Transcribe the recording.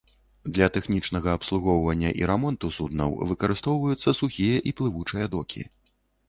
Для тэхнічнага абслугоўвання і рамонту суднаў выкарыстоўваюцца сухія і плывучыя докі.